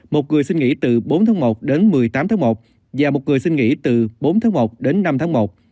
một người xin nghỉ từ bốn tháng một đến một mươi tám tháng một và một người xin nghỉ từ bốn tháng một đến năm tháng một